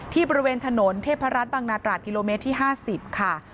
ที่บริเวณถนนเทพรัฐบังนาตราที่๕๐ค่ะ